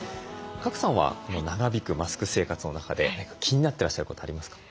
賀来さんはこの長引くマスク生活の中で何か気になってらっしゃることありますか？